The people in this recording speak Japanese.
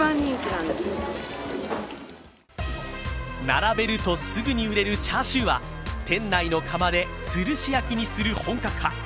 並べるとすぐに売れるチャーシューは店内の窯でつるし焼きにする本格派。